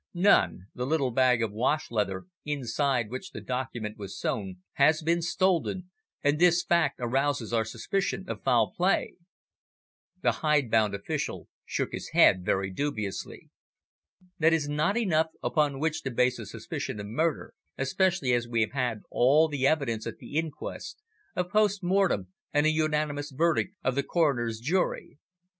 "None. The little bag of wash leather, inside which the document was sewn, has been stolen, and this fact arouses our suspicion of foul play." The hide bound official shook his head very dubiously. "That is not enough upon which to base a suspicion of murder, especially as we have had all the evidence at the inquest, a post mortem and a unanimous verdict of the coroner's jury.